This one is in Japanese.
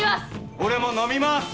俺も飲みます！